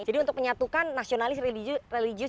jadi untuk menyatukan nasionalis religius